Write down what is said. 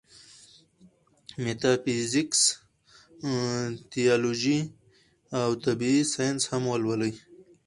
ميټافزکس ، تيالوجي او طبعي سائنس هم ولولي